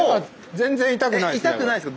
全然痛くないですね。